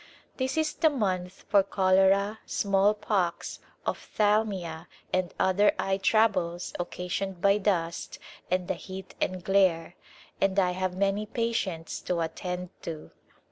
This is the month for cholera, smallpox, ophthalmia and other eye troubles occasioned by dust and the heat and glare, and I have many patients to attend to.